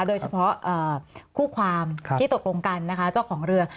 โดยเฉพาะคู่ความที่ตกลงกันนะคะเจ้าของเรือ